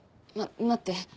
ま待って。